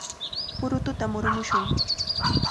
¡Purututa murumushun!